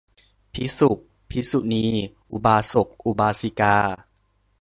ภิกษุ ภิกษุณี อุบาสก อุบาสิกา